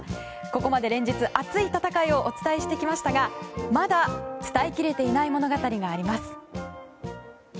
ここまで連日熱い戦いをお伝えしてきましたがまだ伝えきれていない物語があります。